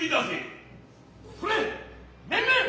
それ面々。